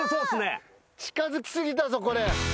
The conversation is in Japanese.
近づき過ぎたぞこれ。